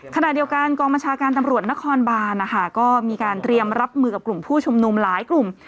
ขณะเดียวกันกองบัญชาการตำรวจนครบานนะคะก็มีการเตรียมรับมือกับกลุ่มผู้ชุมนุมหลายกลุ่ม